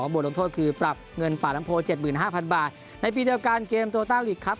บทลงโทษคือปรับเงินป่าลำโพ๗๕๐๐บาทในปีเดียวกันเกมโตต้าลีกครับ